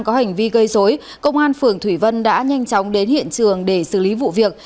có hành vi gây dối công an phường thủy vân đã nhanh chóng đến hiện trường để xử lý vụ việc